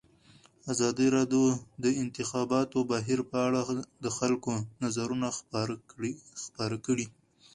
ازادي راډیو د د انتخاباتو بهیر په اړه د خلکو نظرونه خپاره کړي.